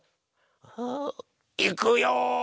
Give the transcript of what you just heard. いくよ。